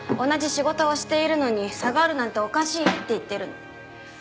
同じ仕事をしているのに差があるなんておかしいって言ってるの。